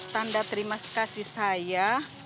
tanda terima kasih saya